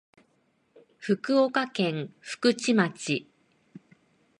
福岡県福智町